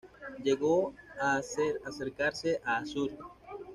Llegó a acercarse a Aššur.